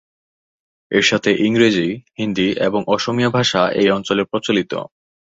এর সাথে ইংরাজী, হিন্দী এবং অসমীয়া ভাষা এই অঞ্চলে প্রচলিত।